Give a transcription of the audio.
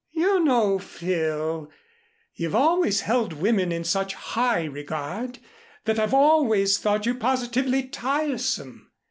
"You know, Phil, you've always held women in such high regard that I've always thought you positively tiresome.